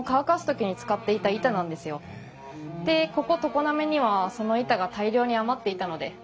でここ常滑にはその板が大量に余っていたので。